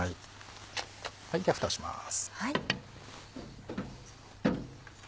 ではふたをします。